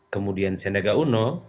kemudian senega uno